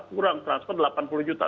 kurang transfer delapan puluh juta